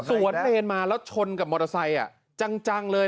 สวนเลนมาแล้วชนกับมอเตอร์ไซค์จังเลย